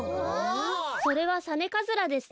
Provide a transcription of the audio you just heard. それはサネカズラですね。